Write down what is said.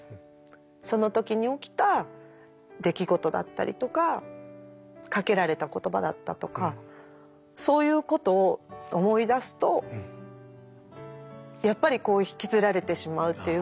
その時に起きた出来事だったりとかかけられた言葉だったとかそういうことを思い出すとやっぱり引きずられてしまうっていう部分があって。